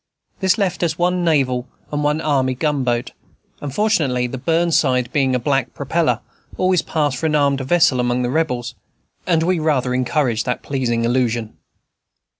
This left us one naval and one army gunboat; and, fortunately, the Burn side, being a black propeller, always passed for an armed vessel among the Rebels, and we rather encouraged that pleasing illusion.